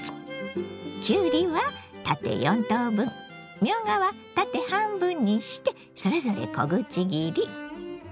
きゅうりは縦４等分みょうがは縦半分にしてそれぞれ小口切り。